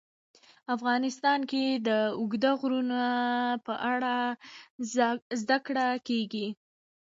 افغانستان کې د اوږده غرونه په اړه زده کړه کېږي.